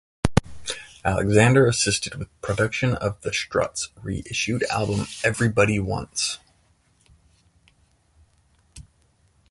Alexander assisted with production of The Struts' reissued album, "Everybody Wants".